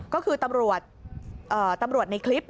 ก็คือตำรวจในคลิป